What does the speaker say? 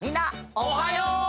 おはよう！